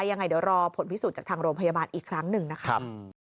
ยังไงเดี๋ยวรอผลพิสูจน์จากทางโรงพยาบาลอีกครั้งหนึ่งนะคะ